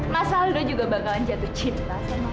mas aldo juga bakalan jatuh cinta sama kamu